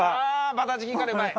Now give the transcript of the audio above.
バターチキンカレーうまい。